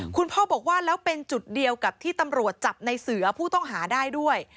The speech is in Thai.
คุณพ่อบอกว่าแล้วเป็นจุดเดียวกับที่ตำรวจจับในเสือผู้ต้องหาได้ด้วย